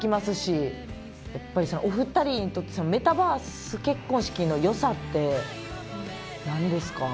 お二人にとってメタバース結婚式の良さってなんですか？